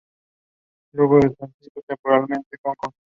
Luego se trasladó temporalmente a Hong Kong.